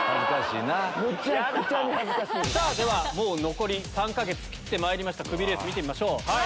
残り３か月切ってまいりましたクビレース見てみましょう。